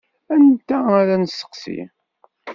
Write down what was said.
Anta ara nesteqsi?